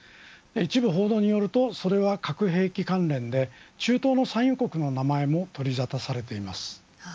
一部報道によるとそれは核兵器関連で中東の産油国の名前も取りざたされています。